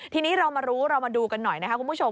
ทีนี้เรามารู้เรามาดูกันหน่อยนะคะคุณผู้ชม